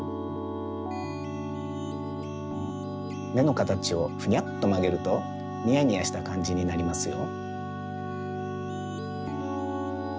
めのかたちをふにゃっとまげるとにやにやしたかんじになりますよ。